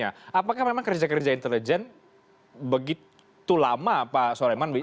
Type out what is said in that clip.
apakah memang kerja kerja intelijen begitu lama pak soleman